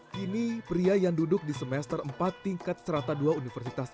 kini pria yang duduk di semester empat tingkat serata ii universitas